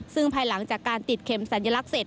ซึ่งภายหลังจากการติดเข็มสัญลักษณเสร็จ